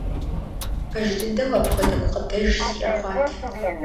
Пэж дыдэу апхуэдэ гукъыдэж сиӀэ хъуат.